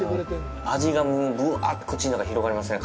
味が、ぶわって口の中に広がりますね。